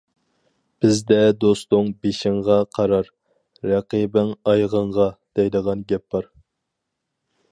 بىزدە: «دوستۇڭ بېشىڭغا قارار، رەقىبىڭ ئايىغىڭغا» دەيدىغان گەپ بار.